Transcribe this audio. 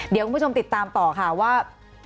เดี๋ยวคุณผู้ชมติดตามต่อค่ะว่า